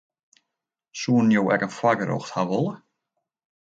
Soenen jo ek in foargerjocht hawwe wolle?